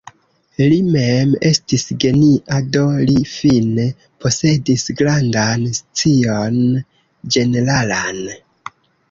Li mem estis genia do li fine posedis grandan scion ĝeneralan.